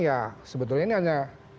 ya sebetulnya ini hanya